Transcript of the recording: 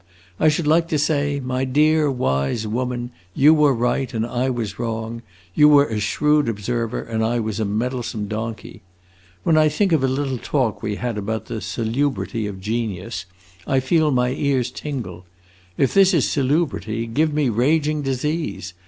I should like to say, 'My dear wise woman, you were right and I was wrong; you were a shrewd observer and I was a meddlesome donkey!' When I think of a little talk we had about the 'salubrity of genius,' I feel my ears tingle. If this is salubrity, give me raging disease!